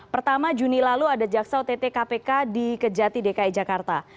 pertama juni lalu ada jaksa ott kpk di kejati dki jakarta